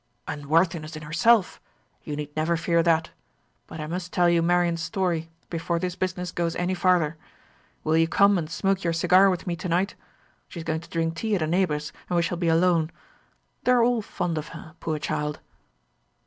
"Unworthiness in herself! You need never fear that. But I must tell you Marian's story before this business goes any farther. Will you come and smoke your cigar with me to night? She is going to drink tea at a neighbour's, and we shall be alone. They are all fond of her, poor child."